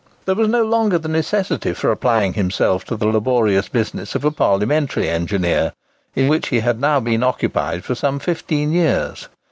There was no longer the necessity for applying himself to the laborious business of a parliamentary engineer, in which he had now been occupied for some fifteen years.